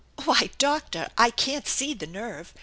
"Why, doctor, I can't see the nerve.